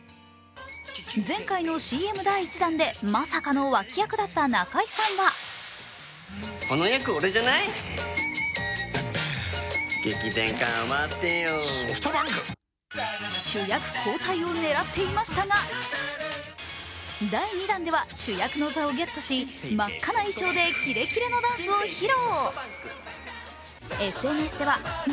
前回のＣＭ第１弾でまさかの脇役だった中居さんは主役交代を狙っていましたが、第２弾では主役の座をゲットし真っ赤な衣装でキレッキレのダンスを披露。